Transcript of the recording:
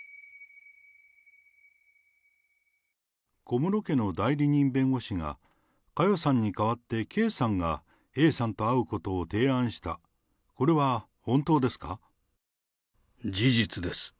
小室家の代理人弁護士が、佳代さんに代わって圭さんがＡさんと会うことを提案した、これは事実です。